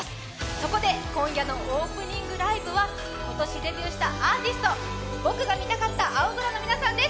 そこで今夜のオープニングライブは今年デビューしたアーティスト、僕が見たかった青空の皆さんです。